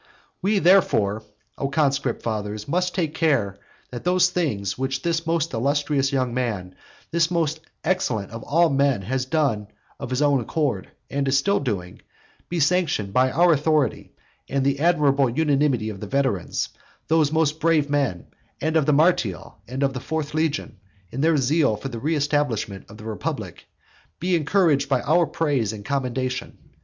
We, therefore, O conscript fathers, must take care that those things which this most illustrious young man, this most excellent of all men has of his own accord done, and still is doing, be sanctioned by our authority; and the admirable unanimity of the veterans, those most brave men, and of the Martial and of the fourth legion, in their zeal for the reestablishment of the republic, be encouraged by our praise and commendation.